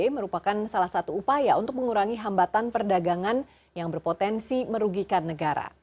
merupakan salah satu upaya untuk mengurangi hambatan perdagangan yang berpotensi merugikan negara